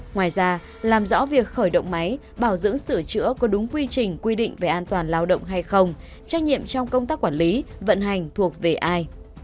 ngoài ra làm rõ việc khởi động máy bảo dưỡng sửa chữa có đúng quy trình quy định về an toàn lao động hay không trách nhiệm trong công tác quản lý vận hành thuộc về ai